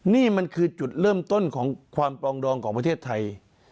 นี่มันคือจุดเริ่มต้นของความปลองดองของประเทศไทย